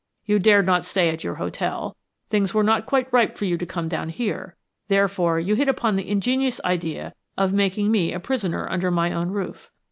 You dared not stay at your hotel things were not quite ripe for you to come down here. Therefore you hit upon the ingenious idea of making me a prisoner under my own roof.